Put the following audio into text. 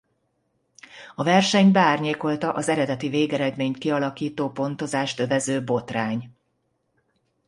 A versenyt beárnyékolta az eredeti végeredményt kialakító pontozást övező botrány.